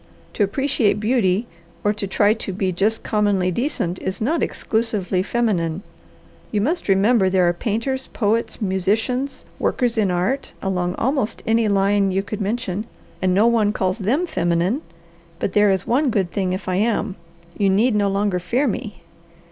"To appreciate beauty or to try to be just commonly decent is not exclusively feminine. You must remember there are painters, poets, musicians, workers in art along almost any line you could mention, and no one calls them feminine, but there is one good thing if I am. You need no longer fear me.